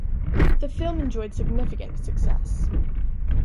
The film enjoyed significant success.